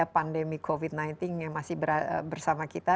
pandemi covid sembilan belas yang masih bersama kita